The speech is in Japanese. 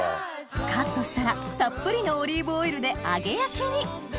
カットしたらたっぷりのオリーブオイルで揚げ焼きに！